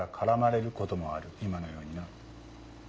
今のようにな。